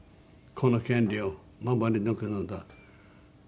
この権利を守り抜くのだ」